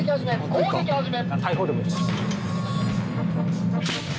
攻撃始め。